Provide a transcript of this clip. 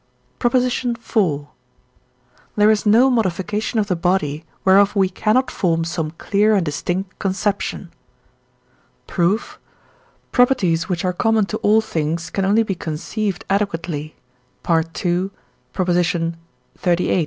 PROP. IV. There is no modification of the body, whereof we cannot form some clear and distinct conception. Proof. Properties which are common to all things can only be conceived adequately (II. xxxviii.)